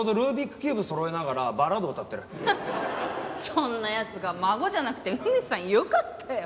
そんなヤツが孫じゃなくて梅さんよかったよ。